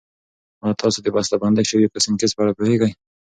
ایا تاسو د بستهبندي شويو سنکس په اړه پوهېږئ؟